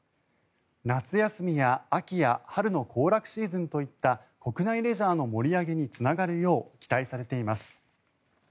夏休みや、秋や春の行楽シーズンといった国内レジャーの盛り上げにつながるよう期待されています。